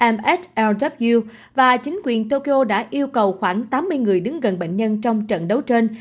ms lw và chính quyền tokyo đã yêu cầu khoảng tám mươi người đứng gần bệnh nhân trong trận đấu trên